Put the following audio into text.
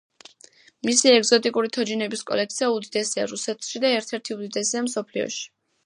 მისი ეგზოტიკური თოჯინების კოლექცია უდიდესია რუსეთში და ერთ-ერთი უდიდესია მსოფლიოში.